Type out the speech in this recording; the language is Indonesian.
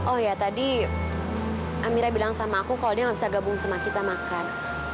oh ya tadi amira bilang sama aku kalau dia nggak bisa gabung sama kita makan